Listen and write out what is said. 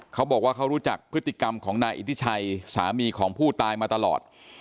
เขาบอกว่าเขารู้จักพฤติกรรมของนายอิทธิชัยสามีของผู้ตายมาตลอด